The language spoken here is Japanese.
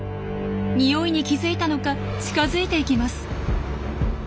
匂いに気付いたのか近づいていきます。